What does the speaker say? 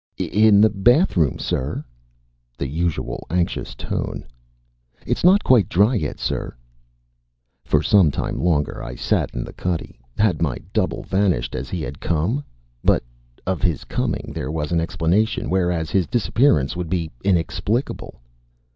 "In the bathroom, sir." The usual anxious tone. "It's not quite dry yet, sir." For some time longer I sat in the cuddy. Had my double vanished as he had come? But of his coming there was an explanation, whereas his disappearance would be inexplicable....